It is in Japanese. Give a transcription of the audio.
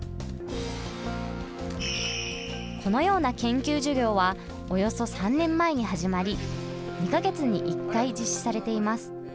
このような研究授業はおよそ３年前に始まり２か月に１回実施されています。